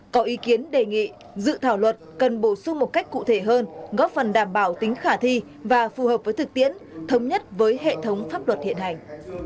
có ý kiến đề nghị dự thảo luật cần bổ sung một cách cụ thể hơn góp phần đảm bảo tính khả thi và phù hợp với thực tiễn thống nhất với hệ thống pháp luật hiện hành